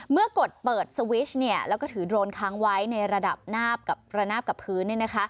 กดเปิดสวิชแล้วก็ถือโดรนค้างไว้ในระดับระนาบกับพื้น